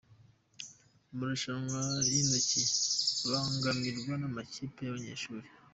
Amarushanwa yintoki abangamirwa n’amakipe y’abanyeshuri